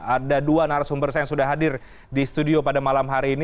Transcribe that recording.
ada dua narasumber saya yang sudah hadir di studio pada malam hari ini